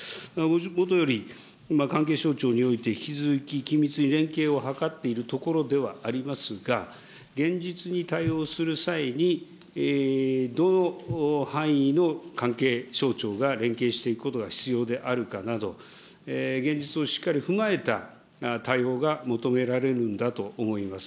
もとより、関係省庁において引き続き緊密に連携を図っているところではありますが、現実に対応する際に、どの範囲の関係省庁が連携していくことが必要であるかなど、現実をしっかり踏まえた対応が求められるんだと思います。